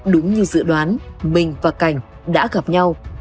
đúng như dự đoán minh và cảnh đã gặp nhau